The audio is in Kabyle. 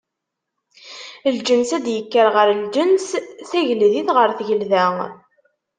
Lǧens ad d-ikker ɣer lǧens, tageldit ɣer tgelda.